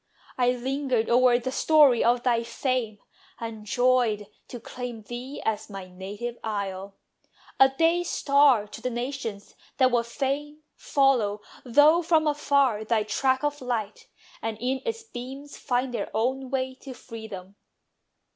I lingered o'er the story of thy fame, And joyed to claim thee as my native isle; A day star to the nations, that would fain Follow, though from afar, thy track of light, And in its beams find their own way to freedom.